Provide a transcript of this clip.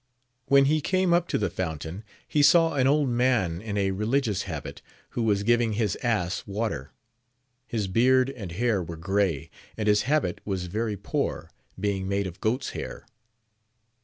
When he came up to the fountain, he saw an old man in a religious habit, who was giving his ass water ; his beard and hair were grey, and his habit wa* very poor, being made of goat's hair.